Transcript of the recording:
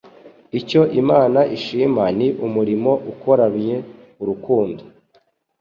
Icyo Imana ishima ni umurimo ukoraywe urukundo.